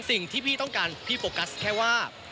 สิ่งที่พี่ต้องการพี่โฟกัสแค่ว่า